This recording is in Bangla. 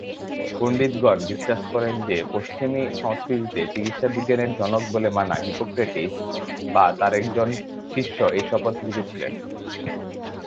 পণ্ডিতগণ বিশ্বাস করেন যে পশ্চিমী সংস্কৃতিতে চিকিৎসা বিজ্ঞানের জনক বলে মানা হিপোক্রেটিস বা তার একজন শিষ্য এই শপথ লিখেছিলেন।